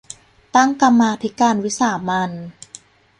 ตั้งกรรมาธิการวิสามัญ